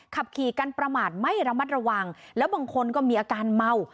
ขับขี่กันประมาทไม่ระมัดระวังแล้วบางคนก็มีอาการเมา